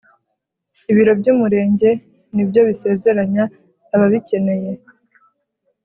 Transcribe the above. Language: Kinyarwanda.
ibiro by'umurenge ni byo bisezeranya ababikeneye